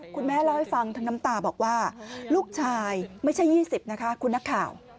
คุณแม่เล่าให้ฟังทั้งน้ำตาบอกว่าลูกชายไม่ใช่๒๐นะคะคุณนักข่าว